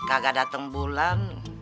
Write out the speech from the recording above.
agak dateng bulan